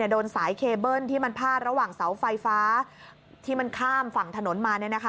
โดนสายเคเบิ้ลที่มันพาดระหว่างเสาไฟฟ้าที่มันข้ามฝั่งถนนมา